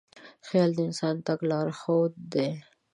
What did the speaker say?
خیال د انسان د تګ لارښود دی.